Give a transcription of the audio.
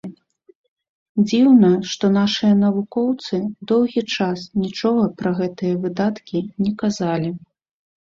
Дзіўна, што нашыя навукоўцы доўгі час нічога пра гэтыя выдаткі не казалі.